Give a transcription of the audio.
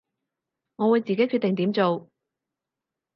我會自己決定點做